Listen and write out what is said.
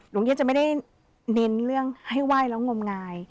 กรุงเทพจะไม่ได้เน้นเรื่องให้ไหว้แล้วงมงาย